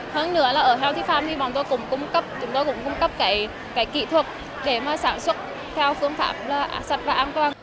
hơn nữa là ở healthy farm thì bọn tôi cũng cung cấp chúng tôi cũng cung cấp cái kỹ thuật để mà sản xuất theo phương phẩm sạch và an toàn